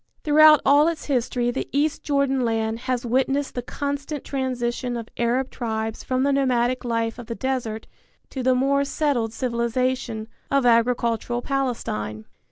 Throughout all its history the east Jordan land has witnessed the constant transition of Arab tribes from the nomadic life of the desert to the more settled civilization, of agricultural Palestine.